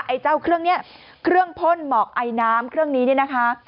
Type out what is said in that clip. ไอ้เจ้าเครื่องนี้เครื่องพ่นหมอกไอน้ำเครื่องนี้เนี่ยนะคะ